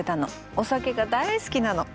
お酒が大好きなの。